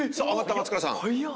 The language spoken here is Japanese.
松倉さん。